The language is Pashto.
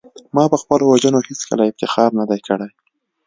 ما په خپلو وژنو هېڅکله افتخار نه دی کړی